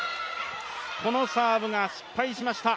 このサーブが失敗しました。